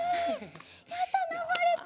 やったのぼれた！